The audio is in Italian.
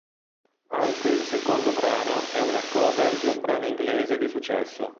Anche il secondo brano e una cover di un brano inglese di successo.